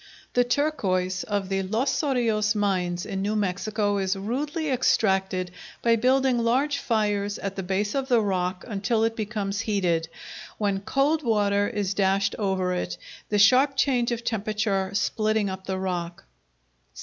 The turquoise of the Los Cerillos mines in New Mexico is rudely extracted by building large fires at the base of the rock until it becomes heated, when cold water is dashed over it, the sharp change of temperature splitting up the rock.